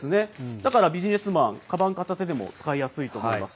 だから、ビジネスマン、かばん片手でも使いやすいと思います。